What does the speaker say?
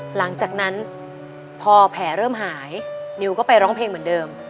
หลังจากนั้นพอแผลเริ่มหายนิวก็ไปร้องเพลงเหมือนเดิม